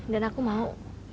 dan aku mau